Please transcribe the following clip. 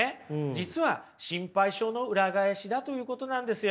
実は心配性の裏返しだということなんですよ。